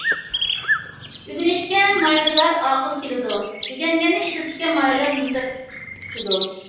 ئۆگىنىشكە ماھىرلار ئاقىل كېلىدۇ، ئۆگەنگەننى ئىشلىتىشكە ماھىرلار نۇسرەت قۇچىدۇ.